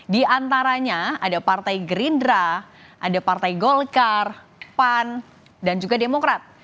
di antaranya ada partai gerindra ada partai golkar pan dan juga demokrat